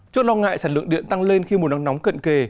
trước lo ngại sản lượng điện tăng lên khi mùa nắng nóng cận kề